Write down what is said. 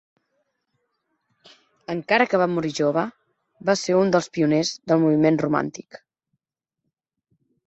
Encara que va morir jove, va ser un dels pioners del moviment romàntic.